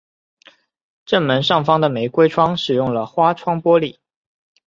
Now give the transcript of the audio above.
正门上方的玫瑰窗使用了花窗玻璃。